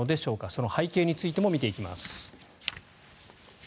その背景についても見ていきます。